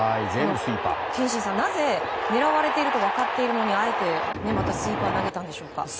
憲伸さん、なぜ狙われていると分かっているのにあえてスイーパーを投げたんでしょうか。